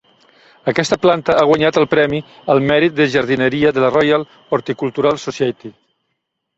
Aquesta planta ha guanyat el premi al mèrit de jardineria de la Royal Horticultural Society.